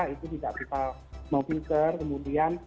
itu tidak bisa memvincer kemudian